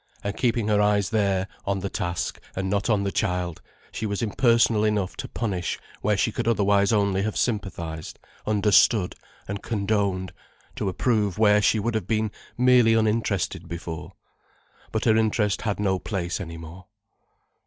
And keeping her eyes there, on the task, and not on the child, she was impersonal enough to punish where she could otherwise only have sympathized, understood, and condoned, to approve where she would have been merely uninterested before. But her interest had no place any more.